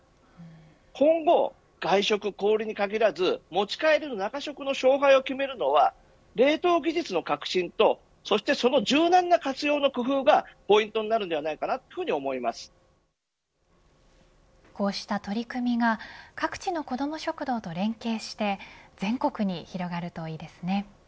今後、外食、小売りに限らず持ち帰りの中食の勝敗を決めるのは冷凍技術の革新とその柔軟な活用の工夫がこうした取り組みが各地の子ども食堂と連携して全国に広がるといいですね。